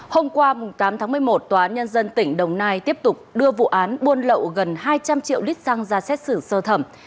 hôm qua tám tháng một mươi một tòa án nhân dân tỉnh đồng nai tiếp tục đưa vụ án buôn lậu gần hai trăm linh triệu lít xăng ra xét xử sơ thẩm